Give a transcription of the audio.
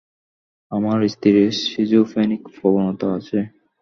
আমার স্ত্রীর সিজোফ্রেনিক প্রবণতা আছে?